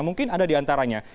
mungkin ada di antaranya